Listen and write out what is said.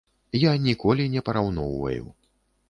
Я ніколі не параўноўваю.